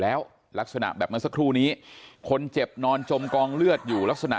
แล้วลักษณะแบบเมื่อสักครู่นี้คนเจ็บนอนจมกองเลือดอยู่ลักษณะ